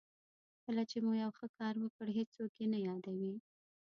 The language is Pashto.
کله چې مو یو ښه کار وکړ هېڅوک یې نه یادوي.